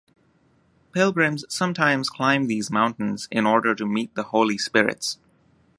Pilgrims sometimes climb these mountains in order to meet the holy spirits.